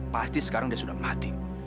pasti sekarang dia sudah mati